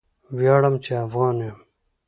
ویاړم چې افغان یم!